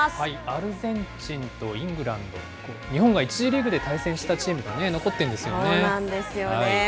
アルゼンチンとイングランド、日本が１次リーグで対戦したチーそうなんですよね。